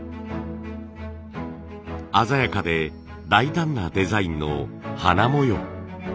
鮮やかで大胆なデザインの花模様。